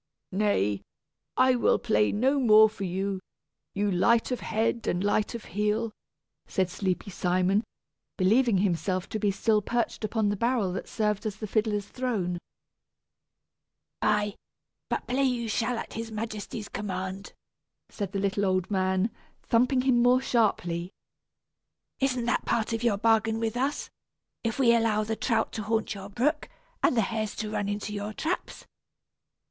"Nay, I will play no more for you, you light of head and light of heel," said sleepy Simon, believing himself to be still perched upon the barrel that served as the fiddler's throne. "Aye, but play you shall, at his Majesty's command," said the little old man, thumping him more sharply. "Isn't that part of your bargain with us, if we allow the trout to haunt your brook, and the hares to run into your traps?